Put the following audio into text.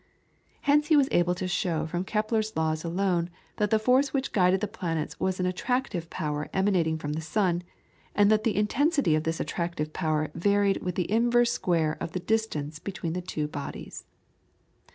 Hence he was able to show from Kepler's laws alone that the force which guided the planets was an attractive power emanating from the sun, and that the intensity of this attractive power varied with the inverse square of the distance between the two bodies.